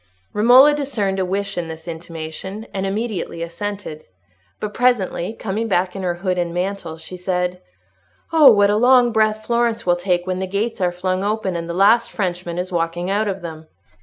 Romola discerned a wish in this intimation, and immediately assented. But presently, coming back in her hood and mantle, she said, "Oh, what a long breath Florence will take when the gates are flung open, and the last Frenchman is walking out of them!